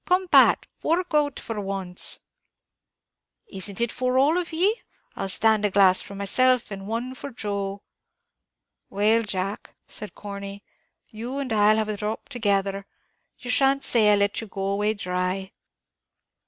come, Pat, fork out for once." "Is it for all of ye? I'll stand a glass for myself, and one for Joe." "Well, Jack," said Corney, "you and I 'll have a dhrop together; you shan't say I let you go away dhry."